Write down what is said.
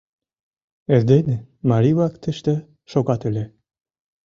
Эрдене марий-влак тыште шогат ыле.